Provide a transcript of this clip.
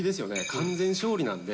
完全勝利なんで。